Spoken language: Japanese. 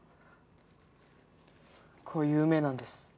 こういう運命なんです。